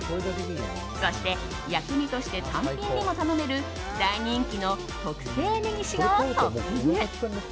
そして、薬味として単品でも頼める大人気の特製ネギ塩をトッピング。